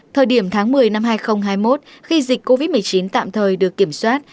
thời điểm tháng một mươi năm hai nghìn hai mươi một khi dịch covid một mươi chín tạm thời được kiểm soát